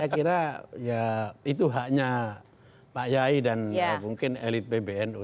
saya kira ya itu haknya pak yai dan mungkin elit pbnu